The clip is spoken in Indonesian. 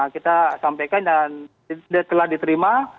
kita sampaikan dan telah diterima